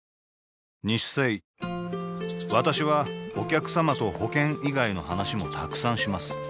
私はお客様と保険以外の話もたくさんします